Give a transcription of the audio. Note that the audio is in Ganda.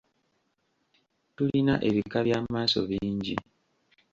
Tulina ebika by’amaaso bingi.